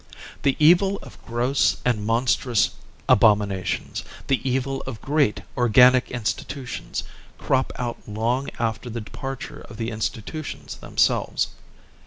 The evil of gross and monstrous abominations, the evil of great organic institutions crop out long after the departure of the institutions themselves.